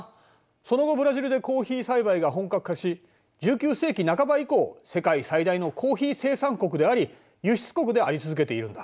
その後ブラジルでコーヒー栽培が本格化し１９世紀半ば以降世界最大のコーヒー生産国であり輸出国であり続けているんだ。